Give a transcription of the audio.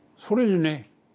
それでね